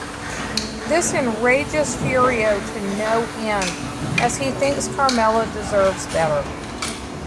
This enrages Furio to no end, as he thinks Carmela deserves better.